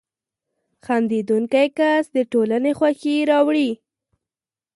• خندېدونکی کس د ټولنې خوښي راوړي.